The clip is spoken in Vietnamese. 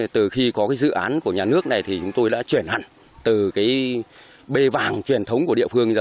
từ khi có cái dự án của nhà nước này thì chúng tôi đã chuyển hẳn từ cái b vàng truyền thống của địa phương